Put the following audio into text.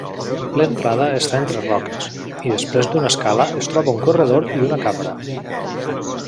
L'entrada està entre roques, i després d'una escala es troba un corredor i una cambra.